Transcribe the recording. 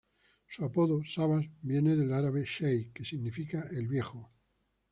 Su apodo ""Sabas"", viene del árabe "Sheik", que significa "El Viejo".